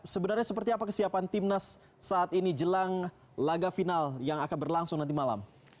sebenarnya seperti apa kesiapan timnas saat ini jelang laga final yang akan berlangsung nanti malam